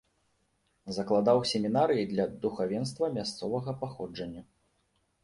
Закладаў семінарыі для духавенства мясцовага паходжання.